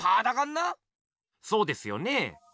そうですよね。